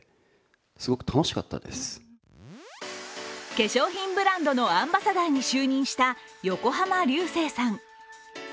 化粧品ブランドのアンバサダーに就任した横浜流星さん。